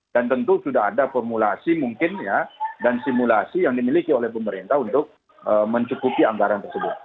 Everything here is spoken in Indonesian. dan tentu sudah ada formulasi mungkin ya dan simulasi yang dimiliki oleh pemerintah untuk mencukupi anggaran tersebut